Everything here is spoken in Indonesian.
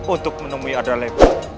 untuk menemui adalem